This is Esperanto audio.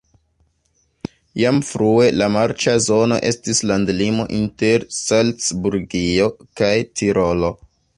Jam frue la marĉa zono estis landlimo inter Salcburgio kaj Tirolo.